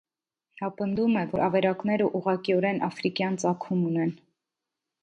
Նա պնդում է, որ ավերակները ուղղակիորեն աֆրիկյան ծագում ունեն։